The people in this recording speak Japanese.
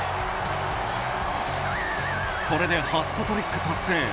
これでハットトリック達成。